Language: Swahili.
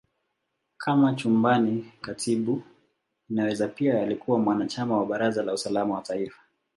Kama Nyumbani Katibu, Inaweza pia alikuwa mwanachama wa Baraza la Usalama wa Taifa.